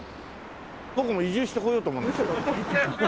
僕も移住してこようと思うんですけど。